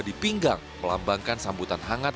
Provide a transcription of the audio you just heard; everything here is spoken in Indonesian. di pinggang melambangkan sambutan hangat